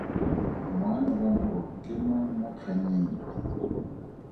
Moanelwamogolo ke mang mo kgannyeng e?